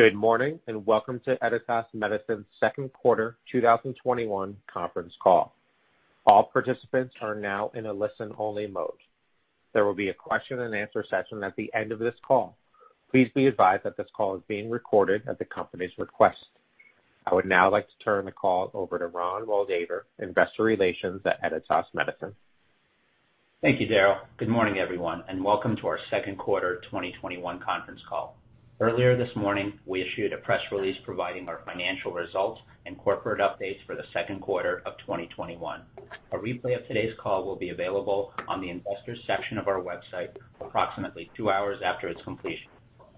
Good morning, and welcome to Editas Medicine's second quarter 2021 conference call. I would now like to turn the call over to Ron Moldaver, Investor Relations at Editas Medicine. Thank you, Daryl. Good morning, everyone, and welcome to our second quarter 2021 conference call. Earlier this morning, we issued a press release providing our financial results and corporate updates for the second quarter of 2021. A replay of today's call will be available on the Investors section of our website approximately two hours after its completion.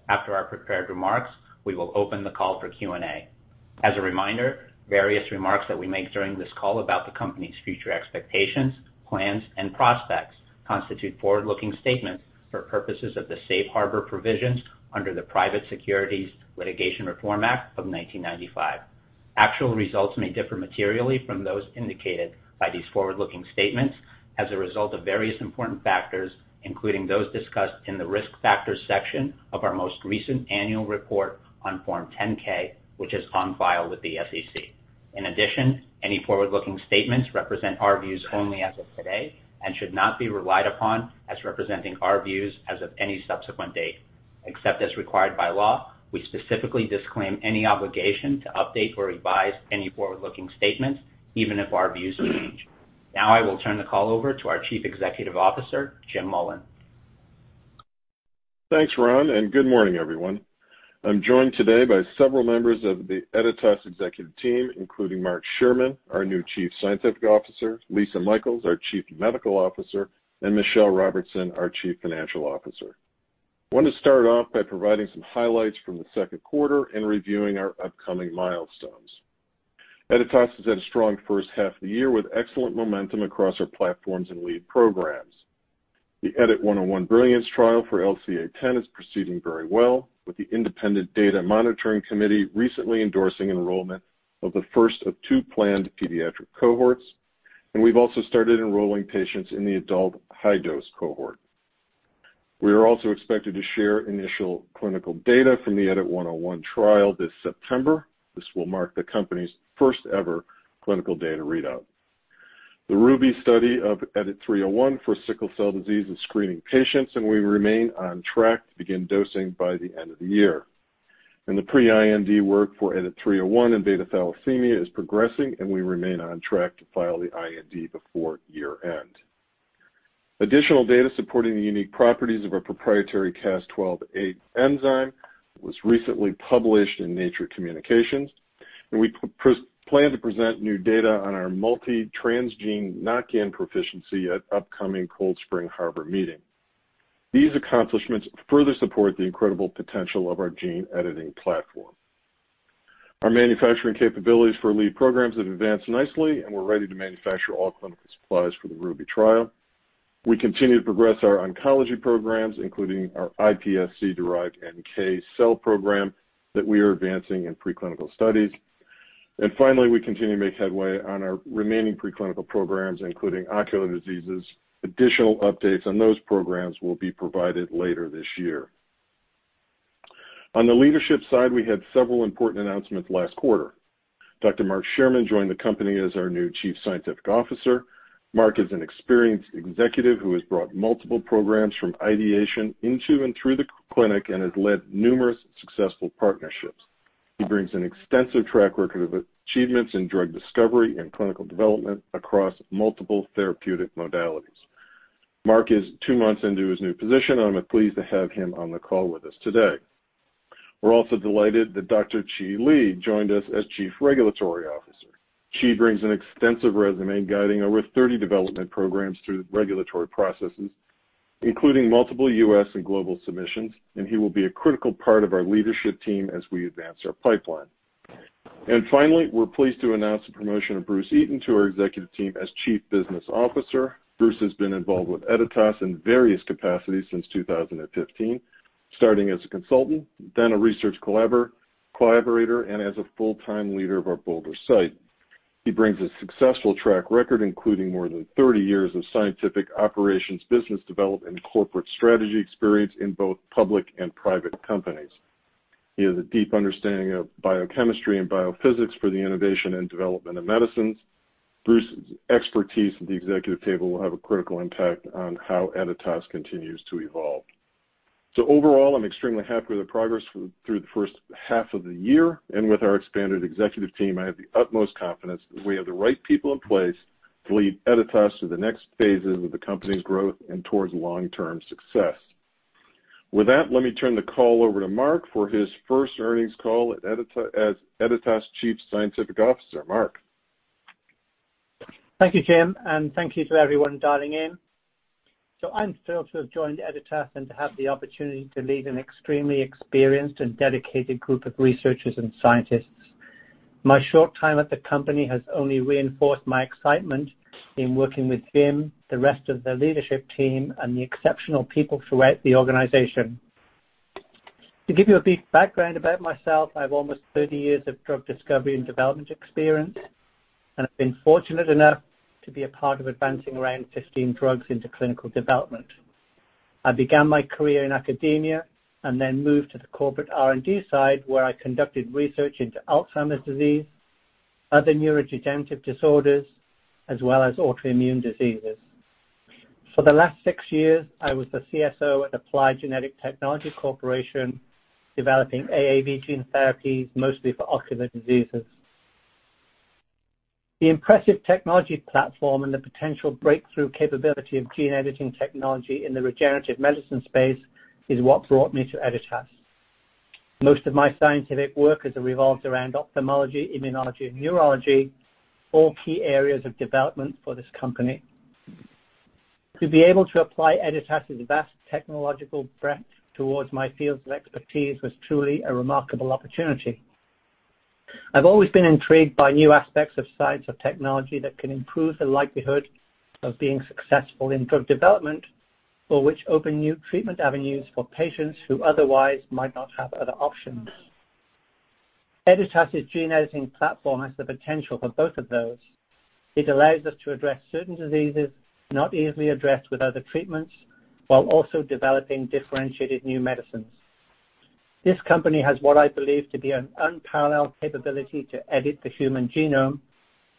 After our prepared remarks, we will open the call for Q&A. As a reminder, various remarks that we make during this call about the company's future expectations, plans, and prospects constitute forward-looking statements for purposes of the safe harbor provisions under the Private Securities Litigation Reform Act of 1995. Actual results may differ materially from those indicated by these forward-looking statements as a result of various important factors, including those discussed in the Risk Factors section of our most recent annual report on Form 10-K, which is on file with the SEC. In addition, any forward-looking statements represent our views only as of today and should not be relied upon as representing our views as of any subsequent date. Except as required by law, we specifically disclaim any obligation to update or revise any forward-looking statements, even if our views change. Now I will turn the call over to our Chief Executive Officer, James Mullen. Thanks, Ron. Good morning, everyone. I'm joined today by several members of the Editas executive team, including Mark Shearman, our new Chief Scientific Officer, Lisa Michaels, our Chief Medical Officer, and Michelle Robertson, our Chief Financial Officer. I want to start off by providing some highlights from the second quarter and reviewing our upcoming milestones. Editas has had a strong first half of the year with excellent momentum across our platforms and lead programs. The EDIT-101 BRILLIANCE trial for LCA10 is proceeding very well, with the independent data monitoring committee recently endorsing enrollment of the first of two planned pediatric cohorts, and we've also started enrolling patients in the adult high-dose cohort. We are also expected to share initial clinical data from the EDIT-101 trial this September. This will mark the company's first-ever clinical data readout. The RUBY study of EDIT-301 for sickle cell disease is screening patients. We remain on track to begin dosing by the end of the year. The pre-IND work for EDIT-301 in beta thalassemia is progressing. We remain on track to file the IND before year-end. Additional data supporting the unique properties of our proprietary Cas12a enzyme was recently published in Nature Communications. We plan to present new data on our multi-transgene knock-in proficiency at upcoming Cold Spring Harbor meeting. These accomplishments further support the incredible potential of our gene editing platform. Our manufacturing capabilities for lead programs have advanced nicely. We're ready to manufacture all clinical supplies for the RUBY trial. We continue to progress our oncology programs, including our iPSC-derived NK cell program that we are advancing in preclinical studies. Finally, we continue to make headway on our remaining preclinical programs, including ocular diseases. Additional updates on those programs will be provided later this year. On the leadership side, we had several important announcements last quarter. Dr. Mark Shearman joined the company as our new Chief Scientific Officer. Mark is an experienced executive who has brought multiple programs from ideation into and through the clinic and has led numerous successful partnerships. He brings an extensive track record of achievements in drug discovery and clinical development across multiple therapeutic modalities. Mark is two months into his new position, and I'm pleased to have him on the call with us today. We're also delighted that Dr. Chi Li joined us as Chief Regulatory Officer. Chi Li brings an extensive resume guiding over 30 development programs through regulatory processes, including multiple U.S. and global submissions. He will be a critical part of our leadership team as we advance our pipeline. Finally, we're pleased to announce the promotion of Bruce Eaton to our executive team as Chief Business Officer. Bruce has been involved with Editas in various capacities since 2015, starting as a consultant, then a research collaborator, and as a full-time leader of our Boulder site. He brings a successful track record, including more than 30 years of scientific operations, business development, and corporate strategy experience in both public and private companies. He has a deep understanding of biochemistry and biophysics for the innovation and development of medicines. Bruce's expertise at the executive table will have a critical impact on how Editas continues to evolve. Overall, I'm extremely happy with the progress through the first half of the year and with our expanded executive team, I have the utmost confidence that we have the right people in place to lead Editas through the next phases of the company's growth and towards long-term success. With that, let me turn the call over to Mark for his first earnings call as Editas Chief Scientific Officer. Mark. Thank you, James, and thank you to everyone dialing in. I'm thrilled to have joined Editas and to have the opportunity to lead an extremely experienced and dedicated group of researchers and scientists. My short time at the company has only reinforced my excitement in working with James, the rest of the leadership team, and the exceptional people throughout the organization. To give you a brief background about myself, I have almost 30 years of drug discovery and development experience I've been fortunate enough to be a part of advancing around 15 drugs into clinical development. I began my career in academia and then moved to the corporate R&D side, where I conducted research into Alzheimer's disease, other neurodegenerative disorders, as well as autoimmune diseases. For the last six years, I was the CSO at Applied Genetic Technologies Corporation, developing AAV gene therapies, mostly for ocular diseases. The impressive technology platform and the potential breakthrough capability of gene editing technology in the regenerative medicine space is what brought me to Editas. Most of my scientific work has revolved around ophthalmology, immunology, and neurology, all key areas of development for this company. To be able to apply Editas's vast technological breadth towards my fields of expertise was truly a remarkable opportunity. I've always been intrigued by new aspects of science or technology that can improve the likelihood of being successful in drug development, or which open new treatment avenues for patients who otherwise might not have other options. Editas' gene editing platform has the potential for both of those. It allows us to address certain diseases not easily addressed with other treatments, while also developing differentiated new medicines. This company has what I believe to be an unparalleled capability to edit the human genome,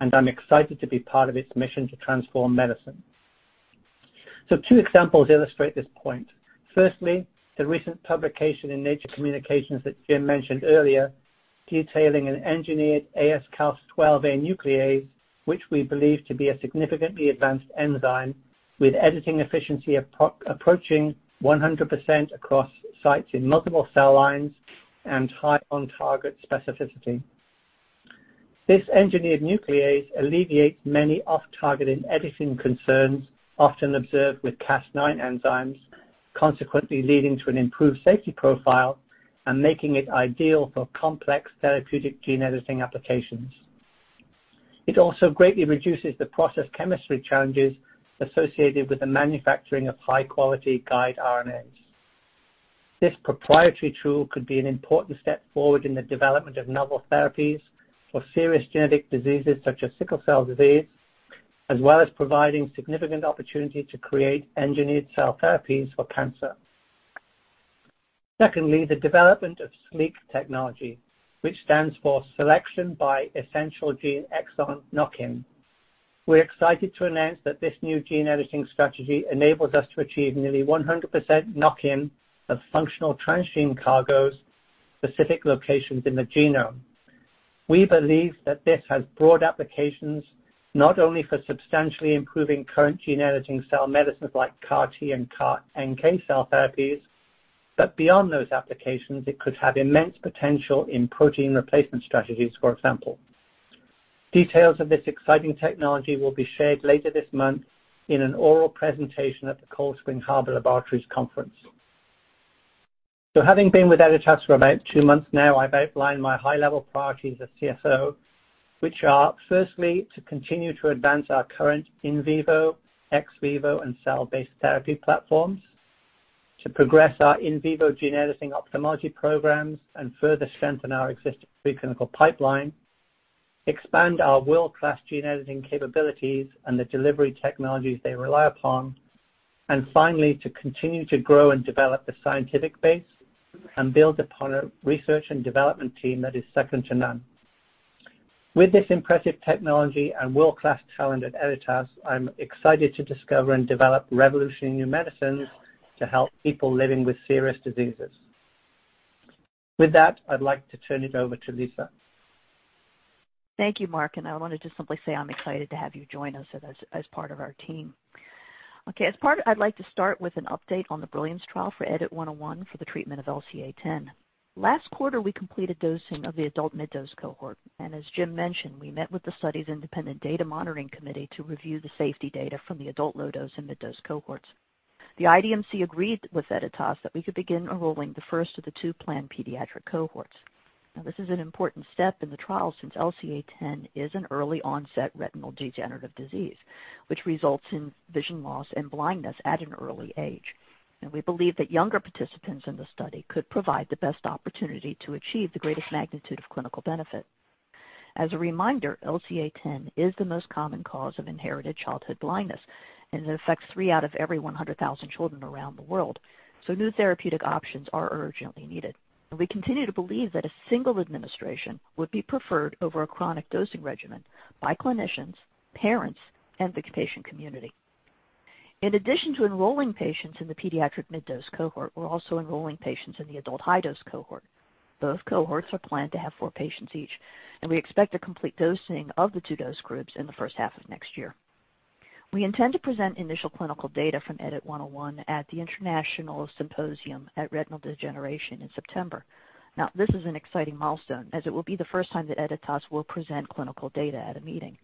and I'm excited to be part of its mission to transform medicine. Two examples illustrate this point. Firstly, the recent publication in Nature Communications that James Mullen mentioned earlier, detailing an engineered AsCas12a nuclease, which we believe to be a significantly advanced enzyme, with editing efficiency approaching 100% across sites in multiple cell lines and high on-target specificity. This engineered nuclease alleviates many off-target and editing concerns often observed with Cas9 enzymes, consequently leading to an improved safety profile and making it ideal for complex therapeutic gene editing applications. It also greatly reduces the process chemistry challenges associated with the manufacturing of high-quality guide RNAs. This proprietary tool could be an important step forward in the development of novel therapies for serious genetic diseases such as sickle cell disease, as well as providing significant opportunity to create engineered cell therapies for cancer. Secondly, the development of SLEEK technology, which stands for Selection by Essential-gene Exon Knock-in. We're excited to announce that this new gene editing strategy enables us to achieve nearly 100% knock-in of functional transgene cargos specific locations in the genome. We believe that this has broad applications, not only for substantially improving current gene editing cell medicines like CAR T and CAR NK cell therapies, but beyond those applications, it could have immense potential in protein replacement strategies, for example. Details of this exciting technology will be shared later this month in an oral presentation at the Cold Spring Harbor Laboratory's conference. Having been with Editas for about two months now, I've outlined my high-level priorities as CSO, which are firstly, to continue to advance our current in vivo, ex vivo, and cell-based therapy platforms, to progress our in vivo gene editing ophthalmology programs and further strengthen our existing pre-clinical pipeline, expand our world-class gene editing capabilities and the delivery technologies they rely upon, and finally, to continue to grow and develop the scientific base and build upon a research and development team that is second to none. With this impressive technology and world-class talent at Editas, I'm excited to discover and develop revolutionary new medicines to help people living with serious diseases. With that, I'd like to turn it over to Lisa. Thank you, Mark. I want to just simply say I'm excited to have you join us as part of our team. Okay. I'd like to start with an update on the BRILLIANCE trial for EDIT-101 for the treatment of LCA10. Last quarter, we completed dosing of the adult mid-dose cohort, and as James Mullen mentioned, we met with the study's independent data monitoring committee to review the safety data from the adult low-dose and mid-dose cohorts. The IDMC agreed with Editas that we could begin enrolling the first of the two planned pediatric cohorts. This is an important step in the trial since LCA10 is an early onset retinal degenerative disease, which results in vision loss and blindness at an early age. We believe that younger participants in the study could provide the best opportunity to achieve the greatest magnitude of clinical benefit. As a reminder, LCA10 is the most common cause of inherited childhood blindness, and it affects three out of every 100,000 children around the world, so new therapeutic options are urgently needed. We continue to believe that a single administration would be preferred over a chronic dosing regimen by clinicians, parents, and the patient community. In addition to enrolling patients in the pediatric mid-dose cohort, we're also enrolling patients in the adult high-dose cohort. Both cohorts are planned to have four patients each, and we expect to complete dosing of the two dose groups in the first half of next year. We intend to present initial clinical data from EDIT-101 at the International Symposium on Retinal Degeneration in September. This is an exciting milestone, as it will be the first time that Editas will present clinical data at a meeting.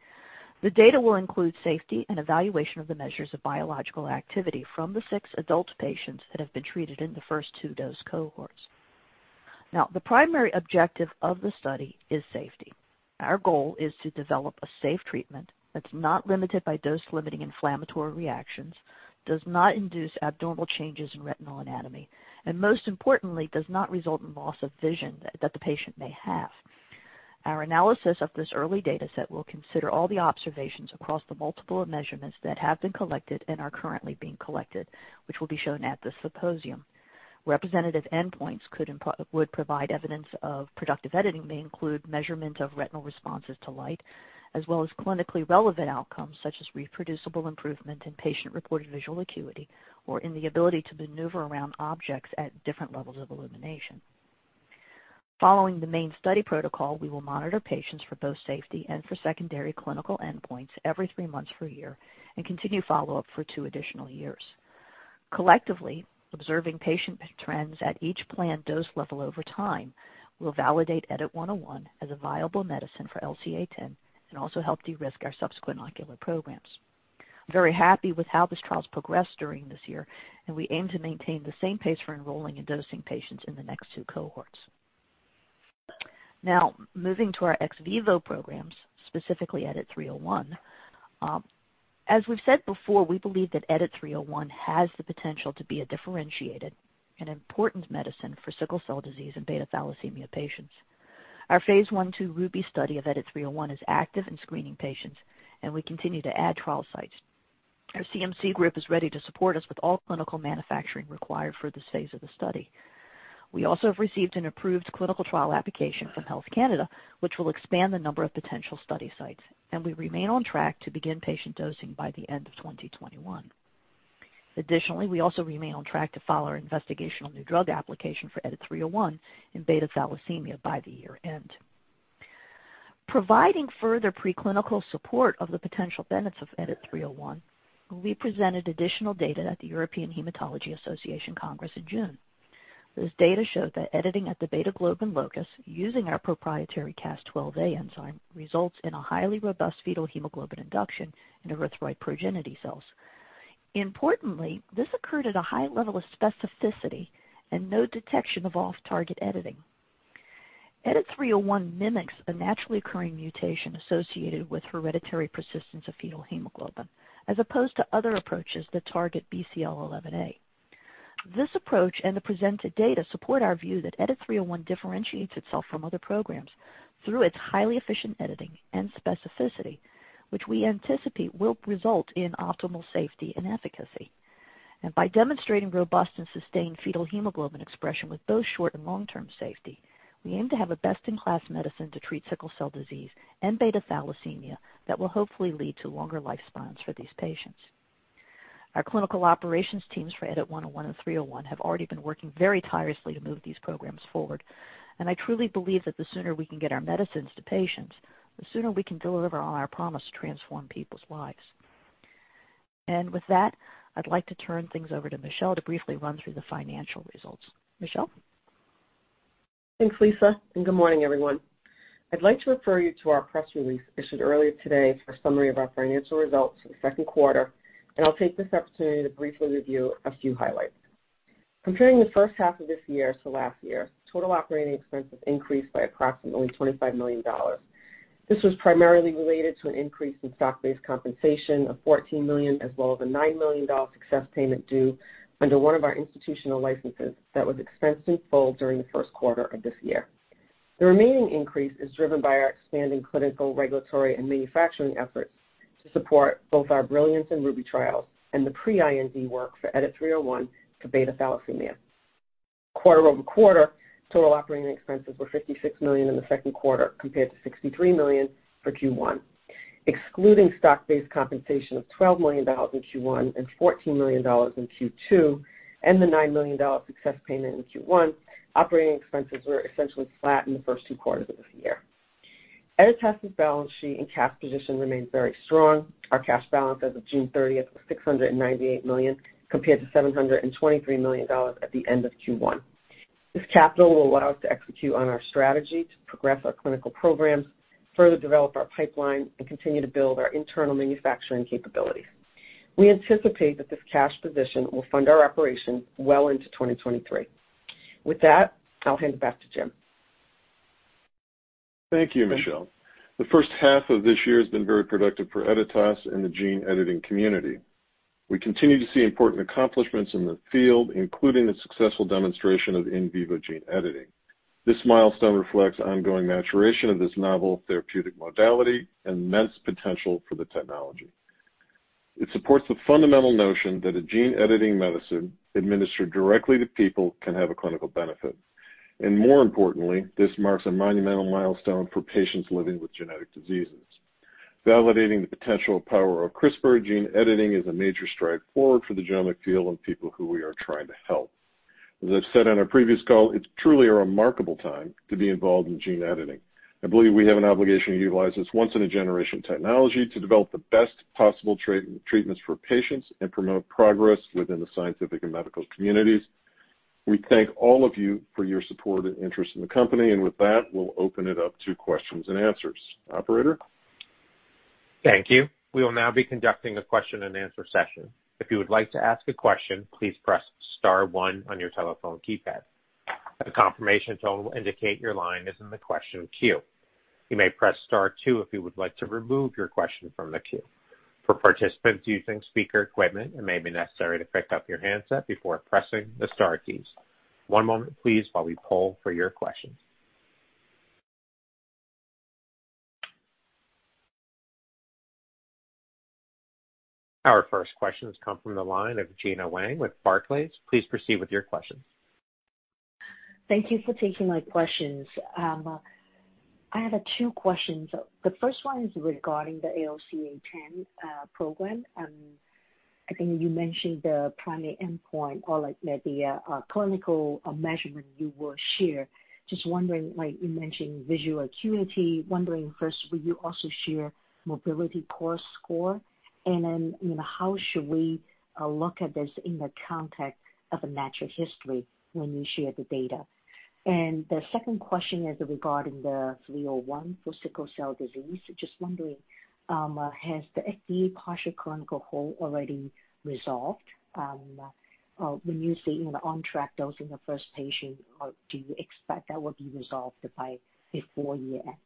The data will include safety and evaluation of the measures of biological activity from the six adult patients that have been treated in the first two dose cohorts. The primary objective of the study is safety. Our goal is to develop a safe treatment that's not limited by dose-limiting inflammatory reactions, does not induce abnormal changes in retinal anatomy, and most importantly, does not result in loss of vision that the patient may have. Our analysis of this early data set will consider all the observations across the multiple measurements that have been collected and are currently being collected, which will be shown at the symposium. Representative endpoints would provide evidence of productive editing, may include measurement of retinal responses to light, as well as clinically relevant outcomes such as reproducible improvement in patient-reported visual acuity, or in the ability to maneuver around objects at different levels of illumination. Following the main study protocol, we will monitor patients for both safety and for secondary clinical endpoints every three months for one year, and continue follow-up for two additional years. Collectively, observing patient trends at each planned dose level over time will validate EDIT-101 as a viable medicine for LCA10, and also help de-risk our subsequent ocular programs. I'm very happy with how this trial's progressed during this year, and we aim to maintain the same pace for enrolling and dosing patients in the next two cohorts. Moving to our ex vivo programs, specifically EDIT-301. As we've said before, we believe that EDIT-301 has the potential to be a differentiated and important medicine for sickle cell disease in beta thalassemia patients. Our phase I/II RUBY study of EDIT-301 is active in screening patients, and we continue to add trial sites. Our CMC group is ready to support us with all clinical manufacturing required for this phase of the study. We also have received an approved clinical trial application from Health Canada, which will expand the number of potential study sites, and we remain on track to begin patient dosing by the end of 2021. Additionally, we also remain on track to file our Investigational New Drug application for EDIT-301 in beta thalassemia by the year-end. Providing further pre-clinical support of the potential benefits of EDIT-301, we presented additional data at the European Hematology Association Congress in June. This data showed that editing at the beta-globin locus using our proprietary Cas12a enzyme, results in a highly robust fetal hemoglobin induction in erythroid progeny cells. Importantly, this occurred at a high level of specificity and no detection of off-target editing. EDIT-301 mimics a naturally occurring mutation associated with hereditary persistence of fetal hemoglobin, as opposed to other approaches that target BCL11A. This approach and the presented data support our view that EDIT-301 differentiates itself from other programs through its highly efficient editing and specificity, which we anticipate will result in optimal safety and efficacy. By demonstrating robust and sustained fetal hemoglobin expression with both short and long-term safety, we aim to have a best-in-class medicine to treat sickle cell disease and beta thalassemia that will hopefully lead to longer lifespans for these patients. Our clinical operations teams for EDIT-101 and 301 have already been working very tirelessly to move these programs forward, and I truly believe that the sooner we can get our medicines to patients, the sooner we can deliver on our promise to transform people's lives. With that, I'd like to turn things over to Michelle to briefly run through the financial results. Michelle? Thanks, Lisa. Good morning, everyone. I'd like to refer you to our press release issued earlier today for a summary of our financial results for the second quarter. I'll take this opportunity to briefly review a few highlights. Comparing the first half of this year to last year, total operating expenses increased by approximately $25 million. This was primarily related to an increase in stock-based compensation of $14 million, as well as a $9 million success payment due under one of our institutional licenses that was expensed in full during the first quarter of this year. The remaining increase is driven by our expanding clinical, regulatory, and manufacturing efforts to support both our BRILLIANCE and RUBY trials and the pre-IND work for EDIT-301 for beta thalassemia. Quarter-over-quarter, total operating expenses were $56 million in the second quarter, compared to $63 million for Q1. Excluding stock-based compensation of $12 million in Q1 and $14 million in Q2, and the $9 million success payment in Q1, operating expenses were essentially flat in the first two quarters of this year. Editas's balance sheet and cash position remains very strong. Our cash balance as of June 30th was $698 million, compared to $723 million at the end of Q1. This capital will allow us to execute on our strategy to progress our clinical programs, further develop our pipeline, and continue to build our internal manufacturing capabilities. We anticipate that this cash position will fund our operations well into 2023. With that, I'll hand it back to James. Thank you, Michelle. The first half of this year has been very productive for Editas and the gene editing community. We continue to see important accomplishments in the field, including the successful demonstration of in vivo gene editing. This milestone reflects the ongoing maturation of this novel therapeutic modality and immense potential for the technology. It supports the fundamental notion that a gene editing medicine administered directly to people can have a clinical benefit. More importantly, this marks a monumental milestone for patients living with genetic diseases. Validating the potential power of CRISPR gene editing is a major stride forward for the genomic field and people who we are trying to help. As I've said on a previous call, it's truly a remarkable time to be involved in gene editing. I believe we have an obligation to utilize this once-in-a-generation technology to develop the best possible treatments for patients and promote progress within the scientific and medical communities. We thank all of you for your support and interest in the company. With that, we'll open it up to questions and answers. Operator? Thank you. We will now be conducting a question-and-answer session. If you would like to ask a question, please press star one on your telephone keypad. A confirmation tone will indicate your line is in the question queue. You may press star two if you would like to remove your question from the queue. Our first questions come from the line of Gena Wang with Barclays. Thank you for taking my questions. I have two questions. The first one is regarding the LCA10 program. I think you mentioned the primary endpoint or the clinical measurement you will share. Just wondering, you mentioned visual acuity. Wondering first, will you also share mobility course score? How should we look at this in the context of a natural history when you share the data? The second question is regarding the EDIT-301 for sickle cell disease. Just wondering, has the FDA partial clinical hold already resolved? When you say on track dosing the first patient, do you expect that will be resolved before year-end?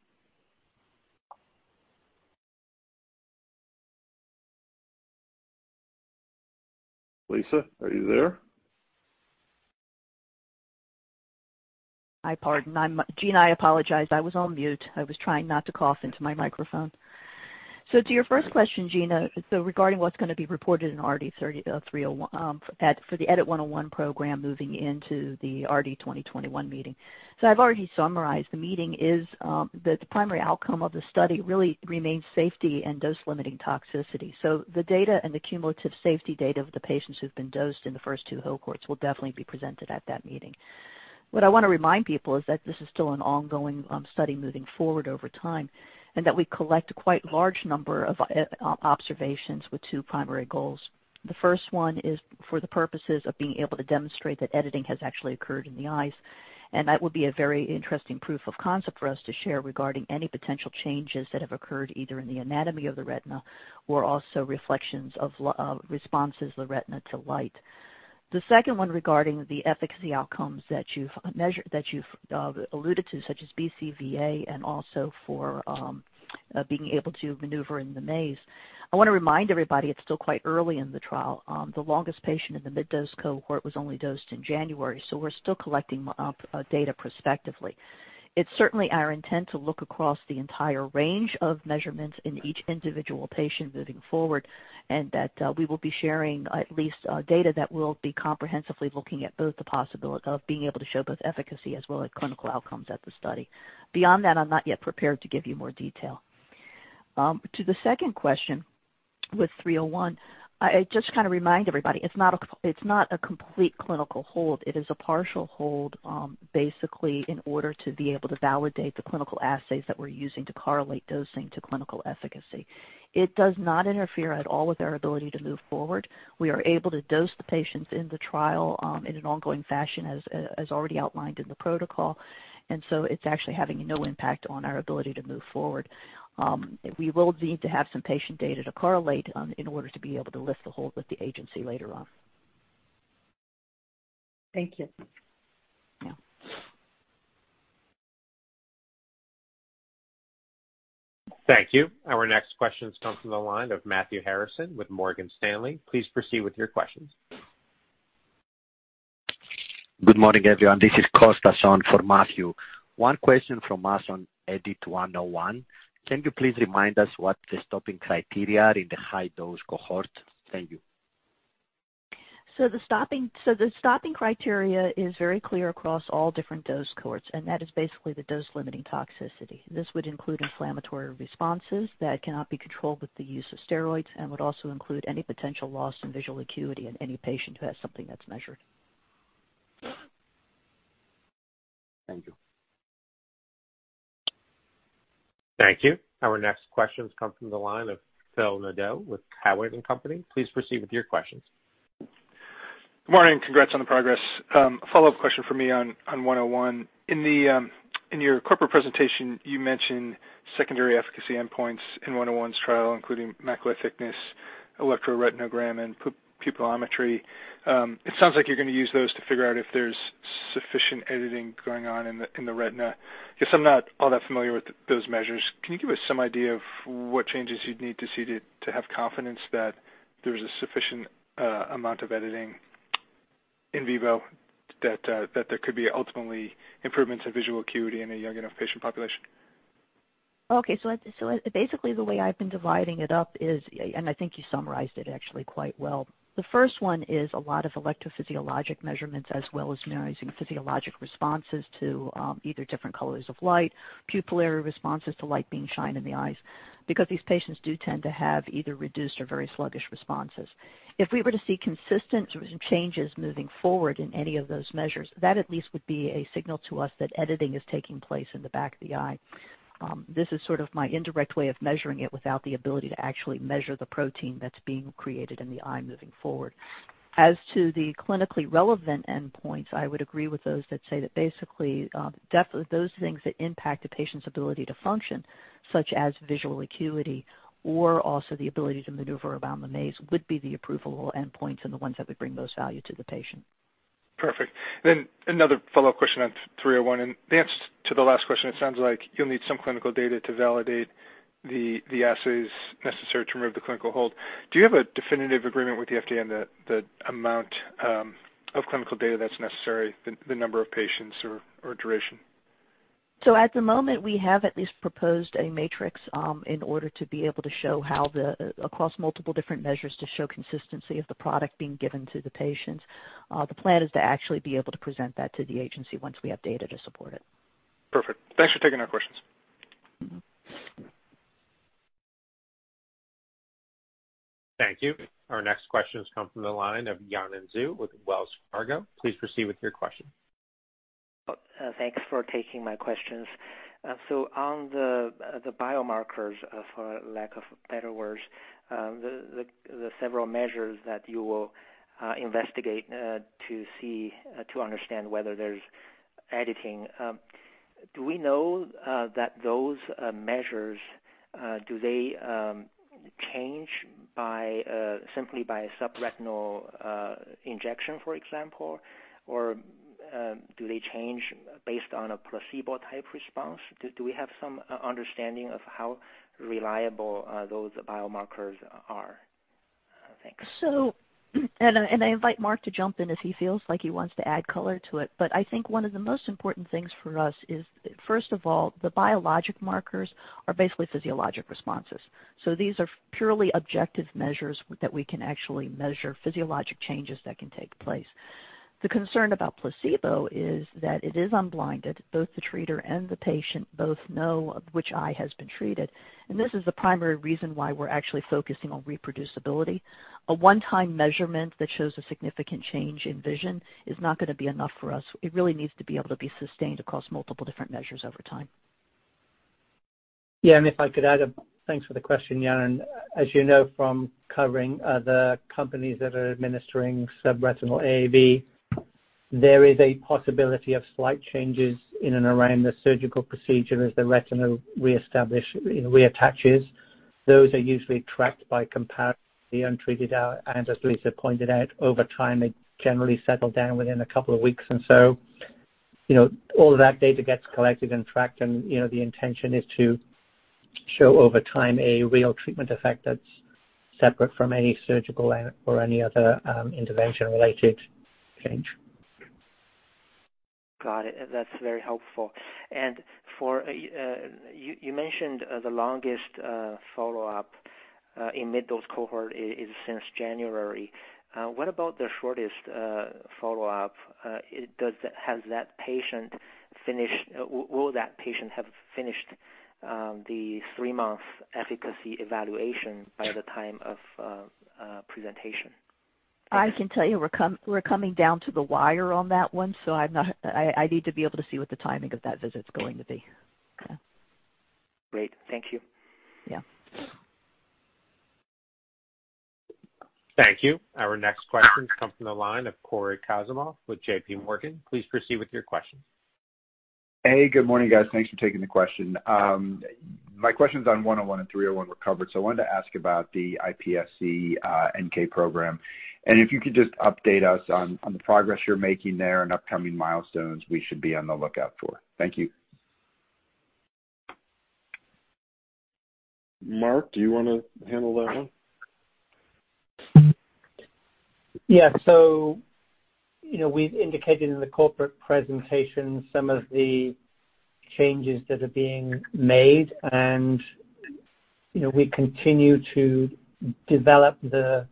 Lisa, are you there? Pardon. Gena, I apologize. I was on mute. I was trying not to cough into my microphone. To your first question, Gena, regarding what's going to be reported for the EDIT-101 program moving into the RD2021 meeting. I've already summarized. The primary outcome of the study really remains safety and dose-limiting toxicity. The data and the cumulative safety data of the patients who've been dosed in the first two cohorts will definitely be presented at that meeting. What I want to remind people is that this is still an ongoing study moving forward over time, and that we collect a quite large number of observations with two primary goals. The first one is for the purposes of being able to demonstrate that editing has actually occurred in the eyes, and that would be a very interesting proof of concept for us to share regarding any potential changes that have occurred either in the anatomy of the retina or also reflections of responses of the retina to light. The second one regarding the efficacy outcomes that you've alluded to, such as BCVA and also for being able to maneuver in the maze. I want to remind everybody it's still quite early in the trial. The longest patient in the mid-dose cohort was only dosed in January, so we're still collecting data prospectively. It's certainly our intent to look across the entire range of measurements in each individual patient moving forward, and that we will be sharing at least data that will be comprehensively looking at both the possibility of being able to show both efficacy as well as clinical outcomes at the study. Beyond that, I'm not yet prepared to give you more detail. To the second question with 301, I just remind everybody, it's not a complete clinical hold. It is a partial hold, basically in order to be able to validate the clinical assays that we're using to correlate dosing to clinical efficacy. It does not interfere at all with our ability to move forward. We are able to dose the patients in the trial, in an ongoing fashion, as already outlined in the protocol. It's actually having no impact on our ability to move forward. We will need to have some patient data to correlate in order to be able to lift the hold with the agency later on. Thank you. Yeah. Thank you. Our next question comes from the line of Matthew Harrison with Morgan Stanley. Please proceed with your questions. Good morning, everyone. This is Costa on for Matthew. One question from us on EDIT-101. Can you please remind us what the stopping criteria are in the high-dose cohort? Thank you. The stopping criteria is very clear across all different dose cohorts, and that is basically the dose-limiting toxicity. This would include inflammatory responses that cannot be controlled with the use of steroids and would also include any potential loss in visual acuity in any patient who has something that's measured. Thank you. Thank you. Our next question comes from the line of Phil Nadeau with Cowen and Company. Please proceed with your questions. Good morning, and congrats on the progress. Follow-up question from me on 101. In your corporate presentation, you mentioned secondary efficacy endpoints in 101's trial, including macular thickness, electroretinogram, and pupillometry. It sounds like you're going to use those to figure out if there's sufficient editing going on in the retina. Guess I'm not all that familiar with those measures. Can you give us some idea of what changes you'd need to see to have confidence that there's a sufficient amount of editing in vivo that there could be ultimately improvements in visual acuity in a young enough patient population? Basically the way I've been dividing it up is, I think you summarized it actually quite well. The first one is a lot of electrophysiologic measurements, as well as measuring physiologic responses to either different colors of light, pupillary responses to light being shined in the eyes. These patients do tend to have either reduced or very sluggish responses. If we were to see consistent changes moving forward in any of those measures, that at least would be a signal to us that editing is taking place in the back of the eye. This is sort of my indirect way of measuring it without the ability to actually measure the protein that's being created in the eye moving forward. As to the clinically relevant endpoints, I would agree with those that say that basically, those things that impact a patient's ability to function, such as visual acuity or also the ability to maneuver around the maze, would be the approvable endpoints and the ones that would bring most value to the patient. Perfect. Another follow-up question on 301. In the answer to the last question, it sounds like you'll need some clinical data to validate the assays necessary to remove the clinical hold. Do you have a definitive agreement with the FDA on the amount of clinical data that's necessary, the number of patients or duration? At the moment, we have at least proposed a matrix in order to be able to show across multiple different measures to show consistency of the product being given to the patients. The plan is to actually be able to present that to the Agency once we have data to support it. Perfect. Thanks for taking our questions. Thank you. Our next questions come from the line of Yanan Zhu with Wells Fargo. Please proceed with your question. Thanks for taking my questions. On the biomarkers, for lack of better words, the several measures that you will investigate to understand whether there's editing. Do we know that those measures, do they change simply by subretinal injection, for example? Do they change based on a placebo-type response? Do we have some understanding of how reliable those biomarkers are? Thanks. And I invite Mark to jump in if he feels like he wants to add color to it, but I think one of the most important things for us is, first of all, the biologic markers are basically physiologic responses. These are purely objective measures that we can actually measure physiologic changes that can take place. The concern about placebo is that it is unblinded. Both the treater and the patient both know which eye has been treated, and this is the primary reason why we're actually focusing on reproducibility. A one-time measurement that shows a significant change in vision is not going to be enough for us. It really needs to be able to be sustained across multiple different measures over time. If I could add. Thanks for the question, Yanan. As you know from covering other companies that are administering subretinal AAV, there is a possibility of slight changes in and around the surgical procedure as the retina reattaches. Those are usually tracked by comparing the untreated eye, and as Lisa pointed out, over time, they generally settle down within a couple of weeks or so. All of that data gets collected and tracked, and the intention is to show over time a real treatment effect that's separate from any surgical or any other intervention-related change. Got it. That's very helpful. You mentioned the longest follow-up in mid-dose cohort is since January. What about the shortest follow-up? Will that patient have finished the three-month efficacy evaluation by the time of presentation? I can tell you we're coming down to the wire on that one, so I'd need to be able to see what the timing of that visit's going to be. Okay. Great. Thank you. Yeah. Thank you. Our next questions come from the line of Cory Kasimov with JP Morgan. Please proceed with your questions. Hey, good morning, guys. Thanks for taking the question. My questions on EDIT-101 and EDIT-301 were covered, so I wanted to ask about the iPSC NK program, and if you could just update us on the progress you're making there and upcoming milestones we should be on the lookout for. Thank you. Mark, do you want to handle that one? Yeah. We've indicated in the corporate presentation some of the changes that are being made, and we continue to develop the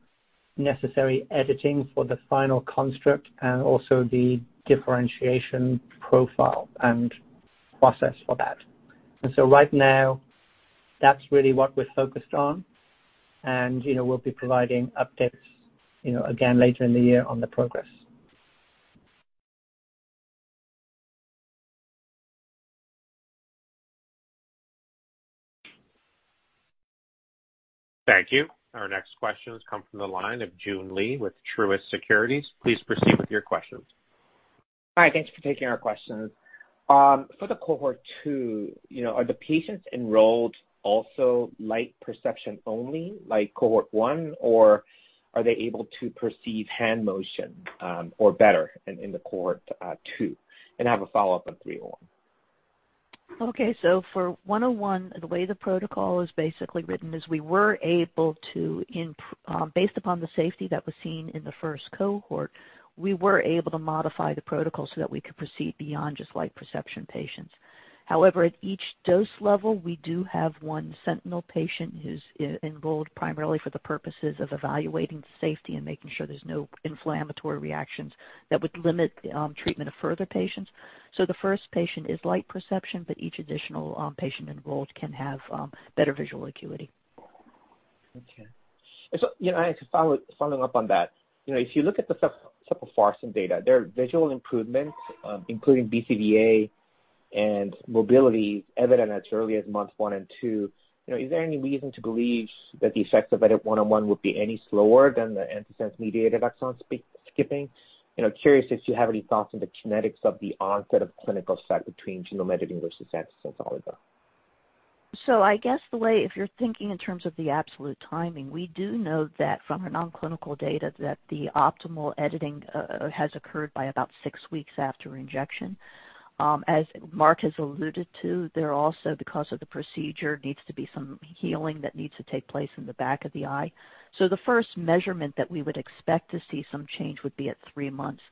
necessary editing for the final construct and also the differentiation profile and process for that. Right now, that's really what we're focused on, and we'll be providing updates again later in the year on the progress. Thank you. Our next questions come from the line of Joon Lee with Truist Securities. Please proceed with your questions. Hi. Thanks for taking our questions. For the Cohort 2, are the patients enrolled also light perception only, like Cohort 1, or are they able to perceive hand motion, or better in the Cohort 2? I have a follow-up on EDIT-301. Okay. For 101, the way the protocol is basically written is based upon the safety that was seen in the first cohort, we were able to modify the protocol so that we could proceed beyond just light perception patients. However, at each dose level, we do have one sentinel patient who's enrolled primarily for the purposes of evaluating safety and making sure there's no inflammatory reactions that would limit treatment of further patients. The first patient is light perception, but each additional patient enrolled can have better visual acuity. Okay. I have to follow up on that. If you look at the sepofarsen data, there are visual improvements, including BCVA and mobility evident as early as month one and month two. Is there any reason to believe that the effects of EDIT-101 would be any slower than the antisense-mediated exon skipping? Curious if you have any thoughts on the kinetics of the onset of clinical effect between genome editing versus antisense oligomer. I guess the way, if you're thinking in terms of the absolute timing, we do know that from our non-clinical data that the optimal editing has occurred by about six weeks after injection. As Mark has alluded to, there also, because of the procedure, needs to be some healing that needs to take place in the back of the eye. The first measurement that we would expect to see some change would be at three months.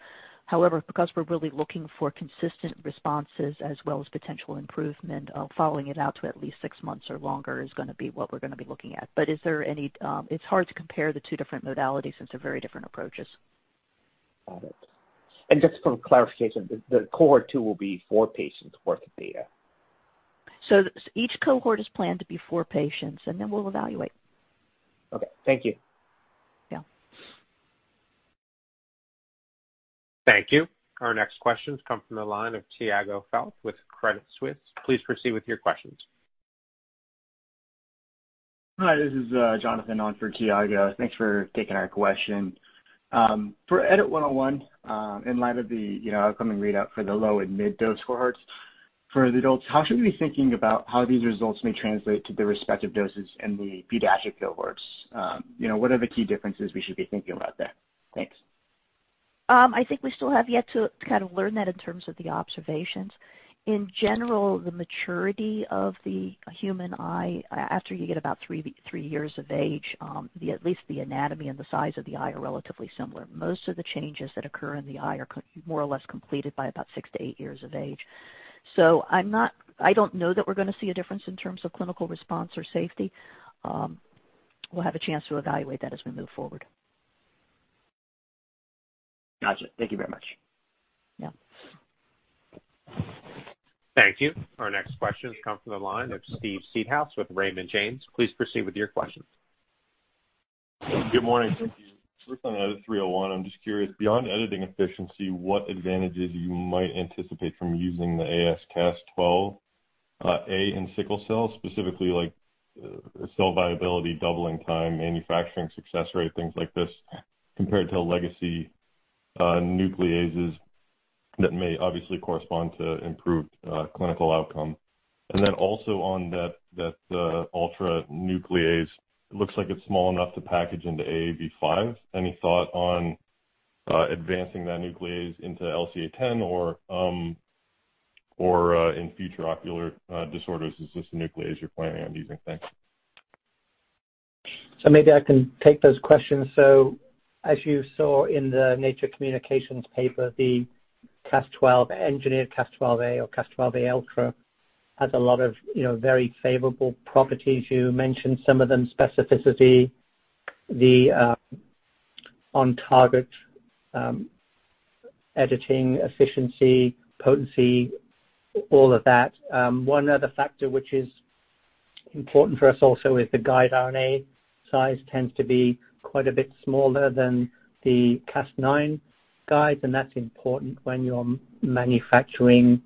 However, because we're really looking for consistent responses as well as potential improvement, following it out to at least six months or longer is going to be what we're going to be looking at. It's hard to compare the two different modalities since they're very different approaches. Got it. Just for clarification, the Cohort 2 will be 4 patients worth of data? Each Cohort is planned to be 4 patients, and then we'll evaluate. Okay, thank you. Yeah. Thank you. Our next questions come from the line of Tiago Fauth with Credit Suisse. Please proceed with your questions. Hi, this is Jonathan on for Tiago. Thanks for taking our question. For EDIT-101, in light of the upcoming readout for the low and mid-dose cohorts for the adults, how should we be thinking about how these results may translate to the respective doses in the pediatric cohorts? What are the key differences we should be thinking about there? Thanks. I think we still have yet to kind of learn that in terms of the observations. In general, the maturity of the human eye, after you get about three years of age, at least the anatomy and the size of the eye are relatively similar. Most of the changes that occur in the eye are more or less completed by about six-eight years of age. I don't know that we're going to see a difference in terms of clinical response or safety. We'll have a chance to evaluate that as we move forward. Got you. Thank you very much. Yeah. Thank you. Our next questions come from the line of Steve Seedhouse with Raymond James. Please proceed with your questions. Good morning to you. First on EDIT-301, I'm just curious, beyond editing efficiency, what advantages you might anticipate from using the AsCas12a in sickle cell, specifically like cell viability, doubling time, manufacturing success rate, things like this, compared to legacy nucleases that may obviously correspond to improved clinical outcome. Also on that ultra nuclease, it looks like it's small enough to package into AAV5. Any thought on advancing that nuclease into LCA10 or, in future ocular disorders, is this the nuclease you're planning on using? Thanks. Maybe I can take those questions. As you saw in the "Nature Communications" paper, the Cas12 engineered Cas12a or AsCas12a Ultra has a lot of very favorable properties. You mentioned some of them, specificity, the on-target editing efficiency, potency, all of that. One other factor which is important for us also is the guide RNA size tends to be quite a bit smaller than the Cas9 guides, and that's important when you're manufacturing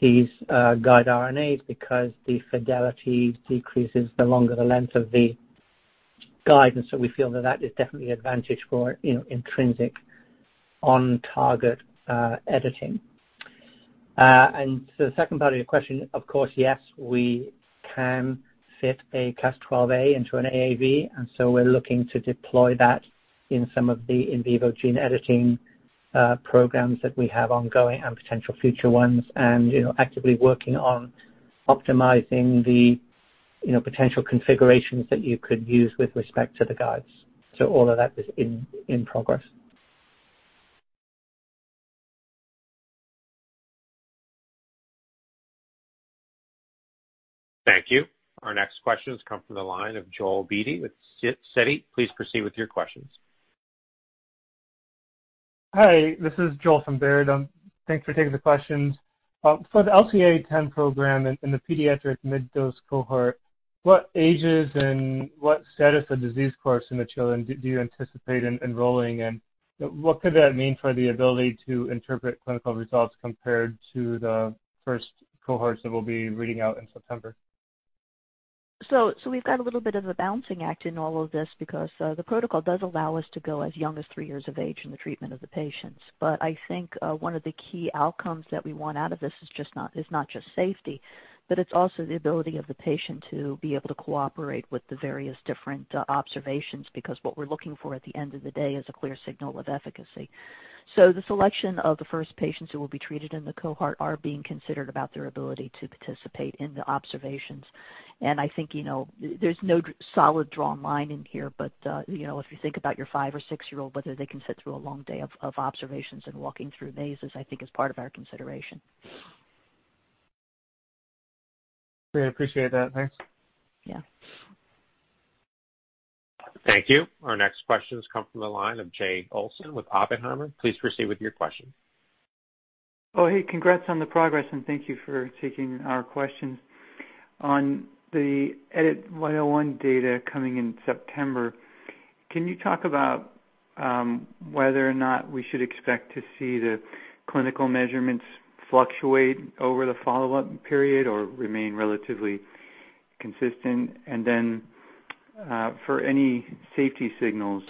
these guide RNAs because the fidelity decreases the longer the length of the guide. We feel that that is definitely advantage for intrinsic on-target editing. To the second part of your question, of course, yes, we can fit a Cas12a into an AAV. We're looking to deploy that in some of the in vivo gene editing programs that we have ongoing and potential future ones and actively working on optimizing the potential configurations that you could use with respect to the guides. All of that is in progress. Thank you. Our next questions come from the line of Joel Beatty with Citi. Please proceed with your questions. Hi, this is Joel from Baird. Thanks for taking the questions. For the LCA10 program in the pediatric mid-dose cohort, what ages and what status of disease course in the children do you anticipate enrolling in? What could that mean for the ability to interpret clinical results compared to the first cohorts that we'll be reading out in September? We've got a little bit of a balancing act in all of this because the protocol does allow us to go as young as three years of age in the treatment of the patients. I think one of the key outcomes that we want out of this is not just safety, but it's also the ability of the patient to be able to cooperate with the various different observations, because what we're looking for at the end of the day is a clear signal of efficacy. The selection of the first patients who will be treated in the cohort are being considered about their ability to participate in the observations. I think there's no solid drawn line in here, but if you think about your five or six-year-old, whether they can sit through a long day of observations and walking through mazes, I think is part of our consideration. Great, appreciate that. Thanks. Yeah. Thank you. Our next questions come from the line of Jay Olson with Oppenheimer. Please proceed with your question. Oh, hey, congrats on the progress, and thank you for taking our questions. On the EDIT-101 data coming in September, can you talk about whether or not we should expect to see the clinical measurements fluctuate over the follow-up period or remain relatively consistent? For any safety signals,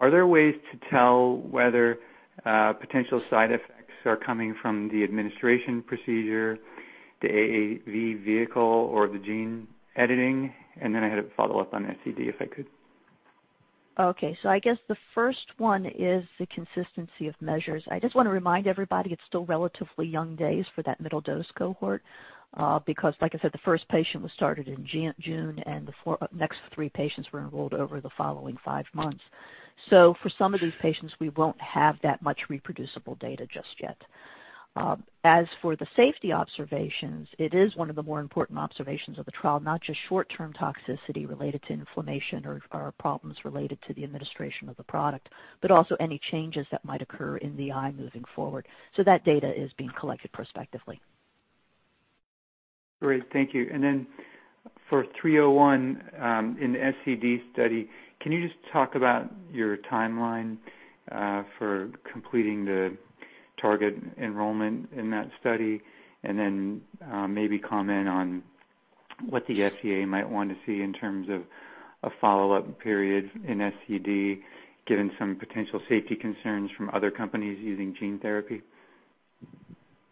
are there ways to tell whether potential side effects are coming from the administration procedure, the AAV vehicle, or the gene editing? I had a follow-up on SCD, if I could. Okay. I guess the first one is the consistency of measures. I just want to remind everybody it's still relatively young days for that middle dose cohort because, like I said, the first patient was started in June, and the next three patients were enrolled over the following five months. For some of these patients, we won't have that much reproducible data just yet. As for the safety observations, it is one of the more important observations of the trial, not just short-term toxicity related to inflammation or problems related to the administration of the product, but also any changes that might occur in the eye moving forward. That data is being collected prospectively. Great. Thank you. For 301, in the SCD study, can you just talk about your timeline for completing the target enrollment in that study, and then maybe comment on what the FDA might want to see in terms of a follow-up period in SCD, given some potential safety concerns from other companies using gene therapy?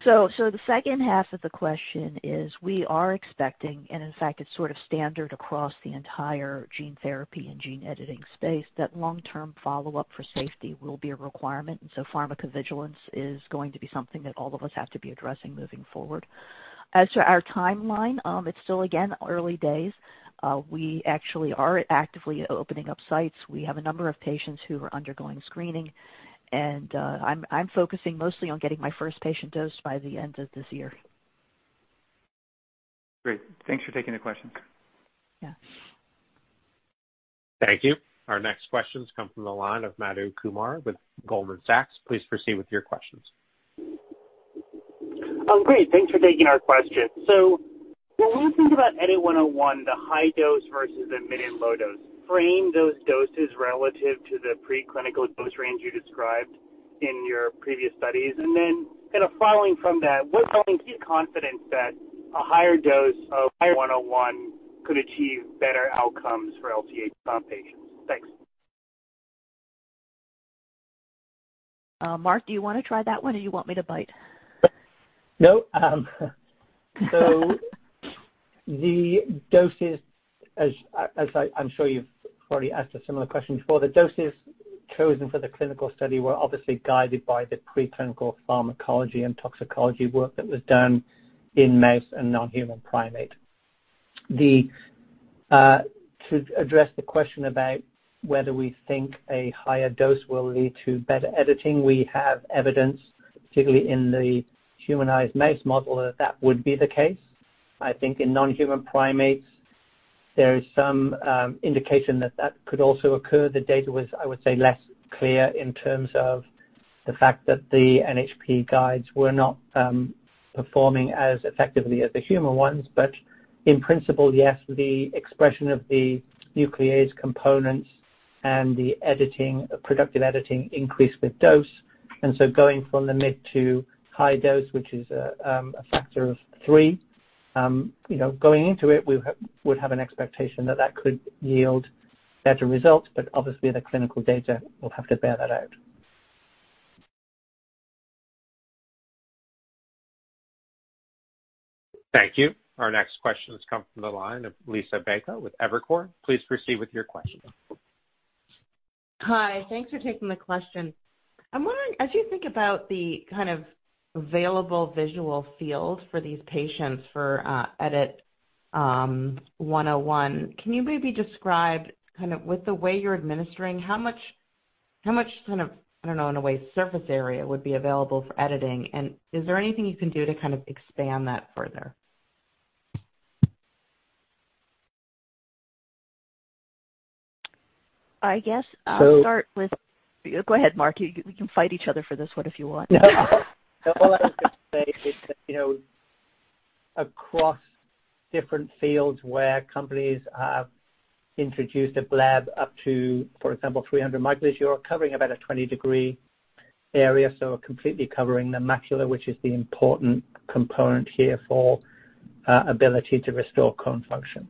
The second half of the question is we are expecting, and in fact, it's sort of standard across the entire gene therapy and gene editing space, that long-term follow-up for safety will be a requirement, and so pharmacovigilance is going to be something that all of us have to be addressing moving forward. As to our timeline, it's still, again, early days. We actually are actively opening up sites. We have a number of patients who are undergoing screening, and I'm focusing mostly on getting my first patient dosed by the end of this year. Great. Thanks for taking the question. Yeah. Thank you. Our next questions come from the line of Madhu Kumar with Goldman Sachs. Please proceed with your questions. Great. Thanks for taking our question. When we think about EDIT-101, the high dose versus the mid and low dose, frame those doses relative to the pre-clinical dose range you described in your previous studies. Following from that, what's helping keep confidence that a higher dose of 101 could achieve better outcomes for LCA10 patients? Thanks. Mark, do you want to try that one or you want me to bite? No. The doses, as I'm sure you've already asked a similar question before, the doses chosen for the clinical study were obviously guided by the preclinical pharmacology and toxicology work that was done in mice and non-human primate. To address the question about whether we think a higher dose will lead to better editing, we have evidence, particularly in the humanized mouse model, that would be the case. I think in non-human primates, there is some indication that that could also occur. The data was, I would say, less clear in terms of the fact that the NHP guides were not performing as effectively as the human ones. In principle, yes, the expression of the nuclease components and the productive editing increased with dose, going from the mid to high dose, which is a factor of three, going into it, we would have an expectation that that could yield better results. Obviously, the clinical data will have to bear that out. Thank you. Our next question comes from the line of Liisa Bayko with Evercore. Please proceed with your question. Hi. Thanks for taking the question. I'm wondering, as you think about the kind of available visual field for these patients for EDIT-101, can you maybe describe, with the way you're administering, how much, I don't know in a way, surface area would be available for editing, and is there anything you can do to kind of expand that further? Go ahead, Mark. We can fight each other for this one if you want. No. All I was going to say is that across different fields where companies have introduced a bleb up to, for example, 300 microliters, you're covering about a 20-degree area, so completely covering the macula, which is the important component here for ability to restore cone function.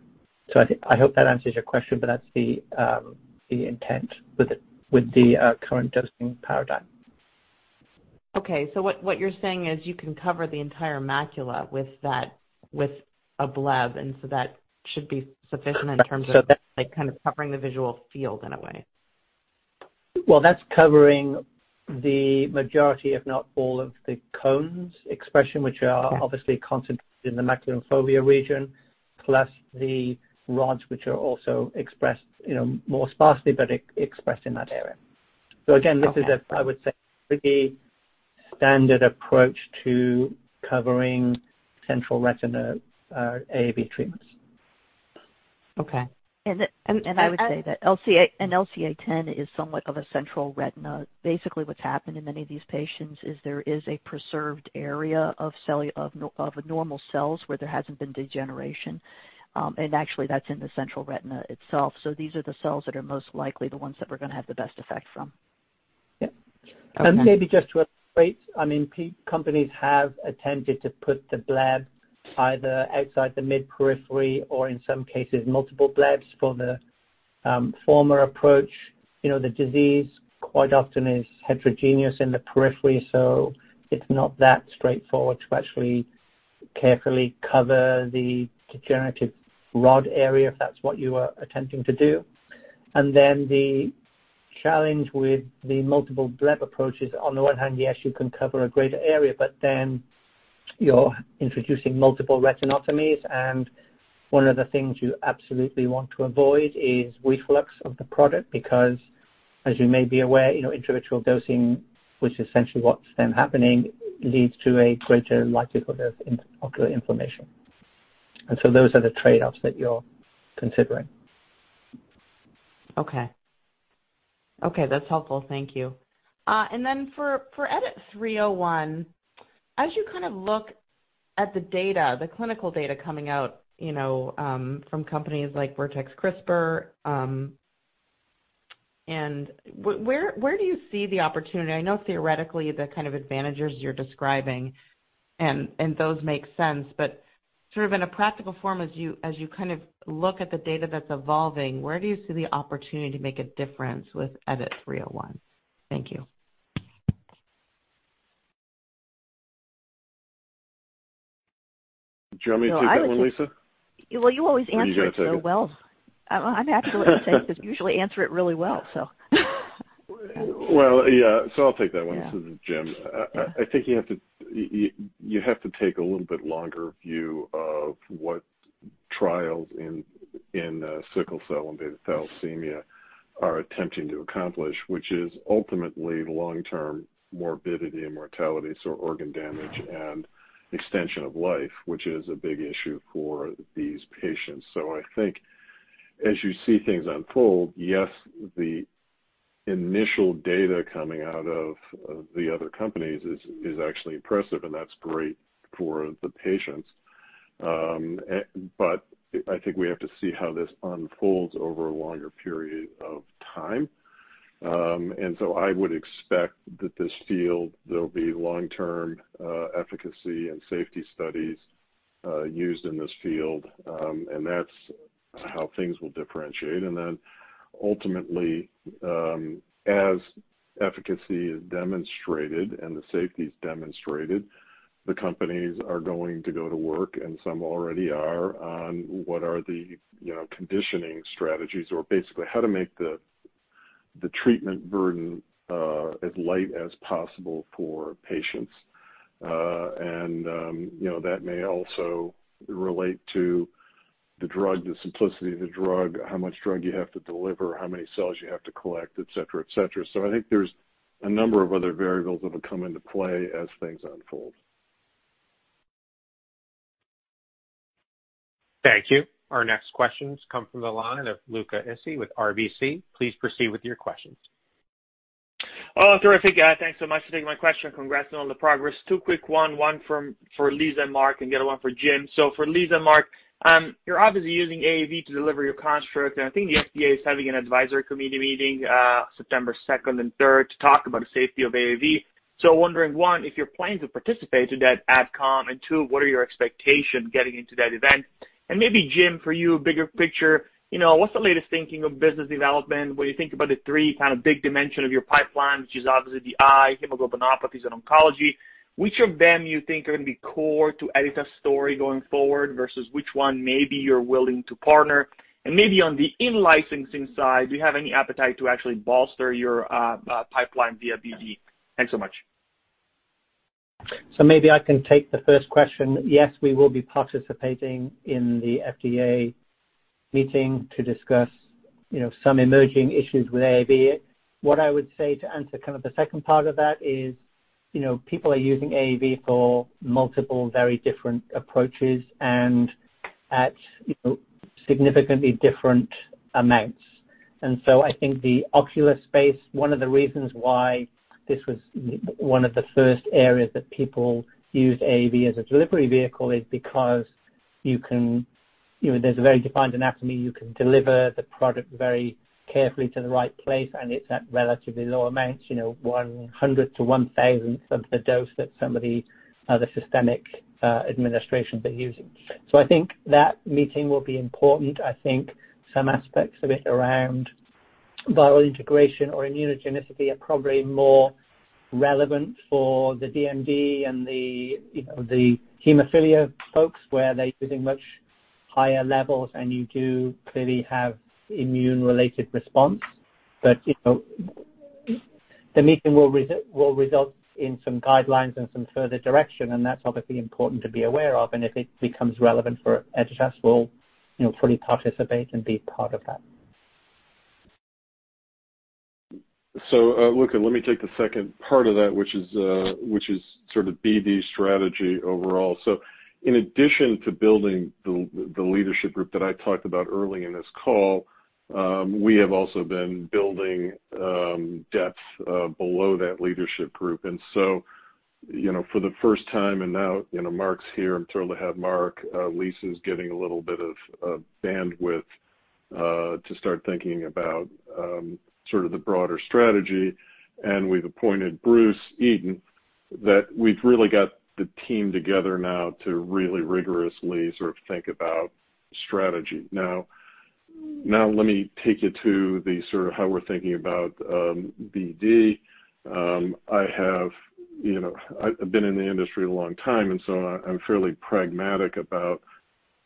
I hope that answers your question, but that's the intent with the current dosing paradigm. Okay. What you're saying is you can cover the entire macula with a bleb, and so that should be sufficient in terms of. So that's- like kind of covering the visual field in a way. well, that's covering the majority, if not all of the cones' expression, which are obviously concentrated in the macular fovea region, plus the rods, which are also expressed more sparsely, but expressed in that area. Again, this is a, I would say, pretty standard approach to covering central retina AAV treatments. Okay. I would say that an LCA10 is somewhat of a central retina. Basically, what's happened in many of these patients is there is a preserved area of normal cells where there hasn't been degeneration, and actually that's in the central retina itself. These are the cells that are most likely the ones that we're going to have the best effect from. Yeah. Maybe just to update, companies have attempted to put the bleb either outside the mid periphery or in some cases, multiple blebs for the former approach. The disease quite often is heterogeneous in the periphery, so it's not that straightforward to actually carefully cover the degenerative rod area if that's what you are attempting to do. The challenge with the multiple bleb approach is, on the one hand, yes, you can cover a greater area, but then you're introducing multiple retinotomies. One of the things you absolutely want to avoid is reflux of the product, because, as you may be aware, intravitreal dosing, which is essentially what's then happening, leads to a greater likelihood of ocular inflammation. Those are the trade-offs that you're considering. Okay. Okay, that's helpful. Thank you. For EDIT-301, as you look at the data, the clinical data coming out from companies like Vertex, CRISPR, where do you see the opportunity? I know theoretically the kind of advantages you're describing, and those make sense, but sort of in a practical form, as you look at the data that's evolving, where do you see the opportunity to make a difference with EDIT-301? Thank you. Do you want me to take that one, Lisa? Well, you always answer it so well. You got it, though. I'm happy to let you take this. You usually answer it really well. Well, yeah. I'll take that 1, James. I think you have to take a little bit longer view of what trials in sickle cell and beta thalassemia are attempting to accomplish, which is ultimately long-term morbidity and mortality, so organ damage and extension of life, which is a big issue for these patients. I think we have to see how this unfolds over a longer period of time. I would expect that this field, there'll be long-term efficacy and safety studies used in this field. That's how things will differentiate. Ultimately, as efficacy is demonstrated and the safety is demonstrated, the companies are going to go to work, and some already are, on what are the conditioning strategies or basically how to make the treatment burden as light as possible for patients. That may also relate to the drug, the simplicity of the drug, how much drug you have to deliver, how many cells you have to collect, et cetera. I think there's a number of other variables that will come into play as things unfold. Thank you. Our next questions come from the line of Luca Issi with RBC. Please proceed with your questions. Oh, terrific. Thanks so much for taking my question. Congrats on all the progress. Two quick one for Lisa and Mark, and the other one for James. For Lisa and Mark, you're obviously using AAV to deliver your construct, and I think the FDA is having an advisory committee meeting September 2nd and 3rd to talk about the safety of AAV. Wondering, 1, if you're planning to participate in that AdCom, and 2, what are your expectations getting into that event? Maybe James, for you, bigger picture, what's the latest thinking of business development when you think about the three big dimension of your pipeline, which is obviously the eye, hemoglobinopathies, and oncology, which of them you think are going to be core to Editas story going forward versus which one maybe you're willing to partner? Maybe on the in-licensing side, do you have any appetite to actually bolster your pipeline via BD? Thanks so much. Maybe I can take the first question. Yes, we will be participating in the FDA meeting to discuss some emerging issues with AAV. What I would say to answer the second part of that is people are using AAV for multiple very different approaches and at significantly different amounts. I think the ocular space, one of the reasons why this was one of the first areas that people used AAV as a delivery vehicle is because there's a very defined anatomy. You can deliver the product very carefully to the right place, and it's at relatively low amounts, one hundredth to one thousandth of the dose that some of the other systemic administrations are using. I think that meeting will be important. I think some aspects of it around viral integration or immunogenicity are probably more relevant for the DMD and the hemophilia folks, where they're using much higher levels, and you do clearly have immune-related response. The meeting will result in some guidelines and some further direction, and that's obviously important to be aware of. If it becomes relevant for Editas, we'll fully participate and be part of that. Luca, let me take the second part of that, which is sort of BD strategy overall. In addition to building the leadership group that I talked about early in this call, we have also been building depth below that leadership group. For the first time, and now Mark's here, I'm thrilled to have Mark. Lisa's getting a little bit of bandwidth to start thinking about sort of the broader strategy, and we've appointed Bruce Eaton, that we've really got the team together now to really rigorously sort of think about strategy. Let me take you to the sort of how we're thinking about BD. I've been in the industry a long time, and so I'm fairly pragmatic about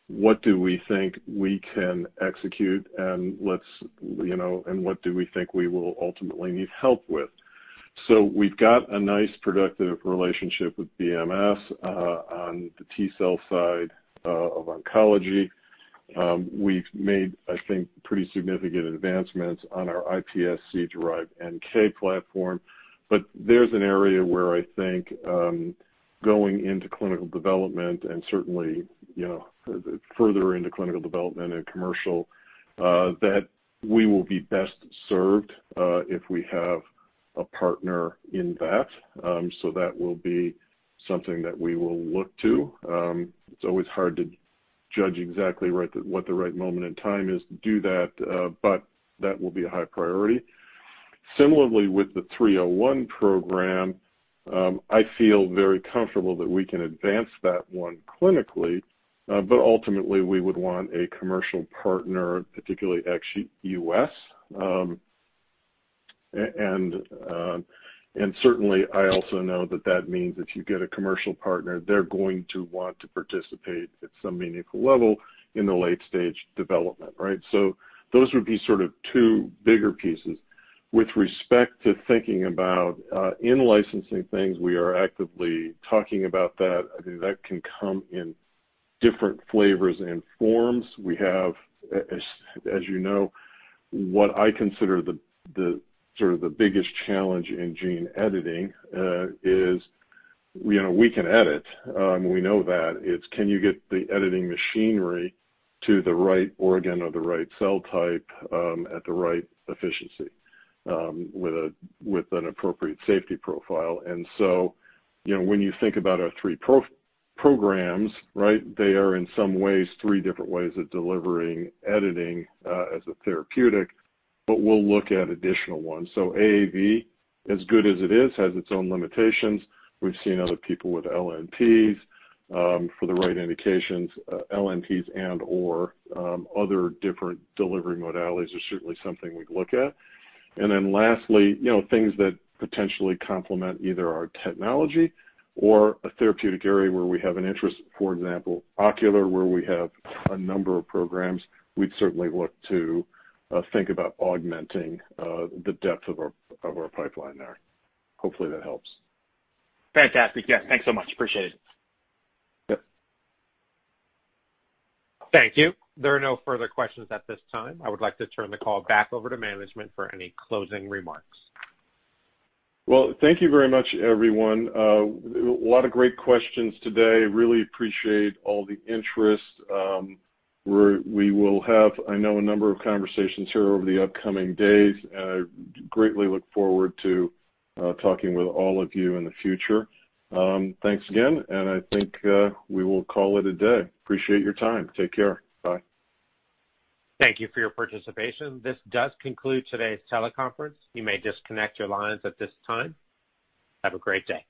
what do we think we can execute and what do we think we will ultimately need help with. We've got a nice productive relationship with BMS on the T cell side of oncology. We've made, I think, pretty significant advancements on our iPSC-derived NK platform. There's an area where I think going into clinical development and certainly further into clinical development and commercial that we will be best served if we have a partner in that. That will be something that we will look to. It's always hard to judge exactly what the right moment in time is to do that, but that will be a high priority. Similarly, with the 301 program, I feel very comfortable that we can advance that one clinically, but ultimately we would want a commercial partner, particularly ex-U.S. Certainly, I also know that that means if you get a commercial partner, they're going to want to participate at some meaningful level in the late-stage development, right? Those would be sort of two bigger pieces. With respect to thinking about in-licensing things, we are actively talking about that. I think that can come in different flavors and forms. We have, as you know, what I consider the sort of the biggest challenge in gene editing is we can edit, we know that. It's can you get the editing machinery to the right organ or the right cell type at the right efficiency with an appropriate safety profile? When you think about our three programs, they are in some ways three different ways of delivering editing as a therapeutic. We'll look at additional ones. AAV, as good as it is, has its own limitations. We've seen other people with LNPs for the right indications, LNPs and or other different delivery modalities are certainly something we'd look at. Lastly, things that potentially complement either our technology or a therapeutic area where we have an interest, for example, ocular, where we have a number of programs, we would certainly look to think about augmenting the depth of our pipeline there. Hopefully that helps. Fantastic. Yeah, thanks so much. Appreciate it. Yep. Thank you. There are no further questions at this time. I would like to turn the call back over to management for any closing remarks. Well, thank you very much, everyone. A lot of great questions today. Really appreciate all the interest. We will have, I know, a number of conversations here over the upcoming days, and I greatly look forward to talking with all of you in the future. Thanks again, and I think we will call it a day. Appreciate your time. Take care. Bye. Thank you for your participation. This does conclude today's teleconference. You may disconnect your lines at this time. Have a great day.